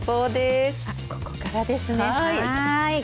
ここからですね。